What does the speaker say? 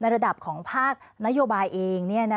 ระดับของภาคนโยบายเอง